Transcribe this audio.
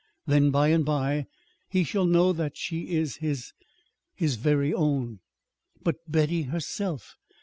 Then, by and by, he shall know that she is his his very own." "But but Betty herself!